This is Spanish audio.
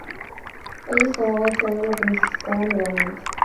Ellos tomaban sólo lo que necesitaban del ambiente.